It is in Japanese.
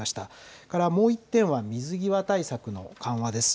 それから、もう１点は水際対策の緩和です。